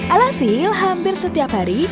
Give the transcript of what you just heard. alhasil hampir setiap hari